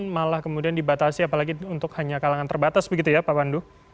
malah kemudian dibatasi apalagi untuk hanya kalangan terbatas begitu ya pak pandu